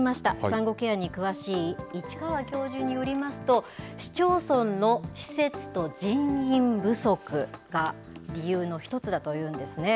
産後ケアに詳しい市川教授によりますと、市町村の施設と人員不足が、理由の一つだというんですね。